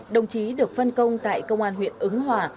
đồng chí được phân công tại công an huyện ứng hòa